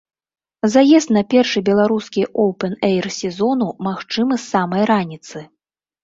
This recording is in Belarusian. Заезд на першы беларускі оўпэн-эйр сезону магчымы з самай раніцы.